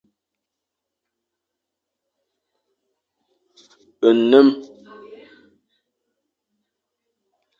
Nnem.